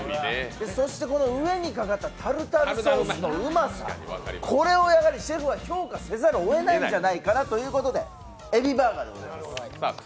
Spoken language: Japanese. そして上にかかったタルタルソースのうまさ、これをシェフは評価せざるをえないんじゃないかなということでエビバーガーでございます。